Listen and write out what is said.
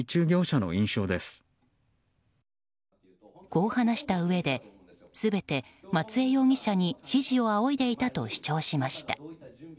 こう話したうえで全て松江容疑者に指示を仰いでいたと主張しました。